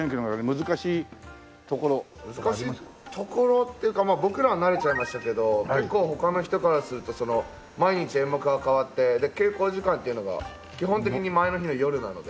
難しいところっていうか僕らは慣れちゃいましたけど結構他の人からすると毎日演目が変わって稽古時間っていうのが基本的に前の日の夜なので。